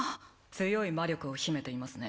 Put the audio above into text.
強い魔力を秘めていますね